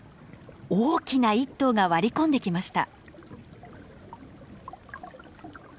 大きな１頭が割り込んできました。